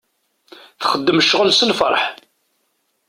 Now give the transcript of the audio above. Txeddem ccɣel s lferḥ.